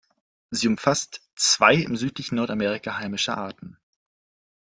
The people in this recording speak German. Sie umfasst zwei im südlichen Nordamerika heimische Arten.